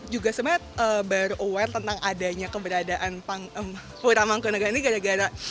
juga sebenarnya baru aware tentang adanya keberadaan pura mangkunega ini gara gara